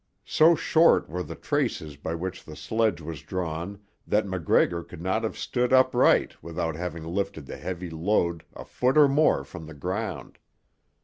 So short were the traces by which the sledge was drawn that MacGregor could not have stood upright without having lifted the heavy load a foot or more from the ground.